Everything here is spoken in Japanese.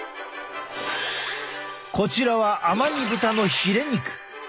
こちらはアマニ豚のヒレ肉。